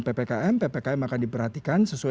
ppkm ppkm akan diperhatikan sesuai